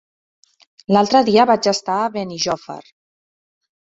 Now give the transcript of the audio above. L'altre dia vaig estar a Benijòfar.